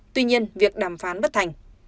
tuy nhiên việc đàm phán bất thành